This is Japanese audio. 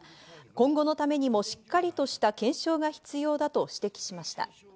今後のためにもしっかりとした検証が必要だと指摘しました。